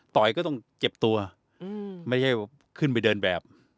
ก็ต้องเจ็บตัวไม่ใช่ขึ้นไปเดินแบบ